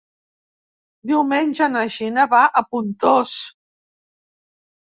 Diumenge na Gina va a Pontós.